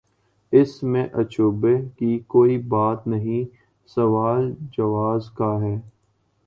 اس میں اچنبھے کی کوئی بات نہیں سوال جواز کا ہے۔